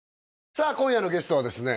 さあ今夜のゲストはですね